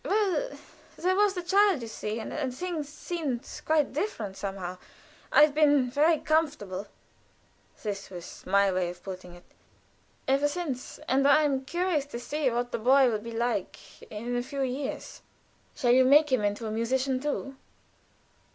"Well. There was the child, you see, and things seemed quite different somehow. I've been very comfortable" (this was my way of putting it) "ever since, and I am curious to see what the boy will be like in a few years. Shall you make him into a musician too?"